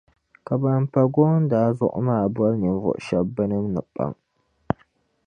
Ka ban pa goondaa zuɣu maa boli ninvuɣu shεba bɛ ni baŋ.